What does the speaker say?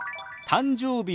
「誕生日」。